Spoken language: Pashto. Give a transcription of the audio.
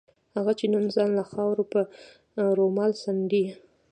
هغه چې نن ځان له خاورو په رومال څنډي.